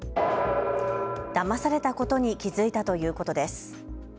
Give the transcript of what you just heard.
だまされたことに気付いたということです。